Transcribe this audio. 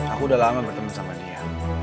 aku udah lama bertemu sama dia